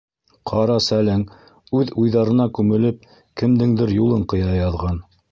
Ҡарасәлең, үҙ уйҙарына күмелеп, кемдеңдер юлын ҡыя яҙған.